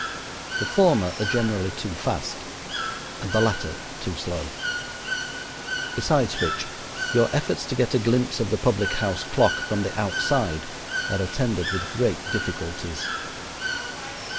The former are generally too fast and the latter too slow. Besides which, your efforts to get a glimpse of the public house clock from the outside are attended with great difficulties.